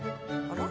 あら？